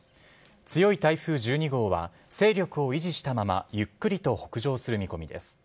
強い台風１２号は、勢力を維持したままゆっくりと北上する見込みです。